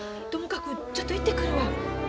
ともかくちょっと行ってくるわ。